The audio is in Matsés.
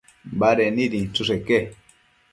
Baded nid inchësheque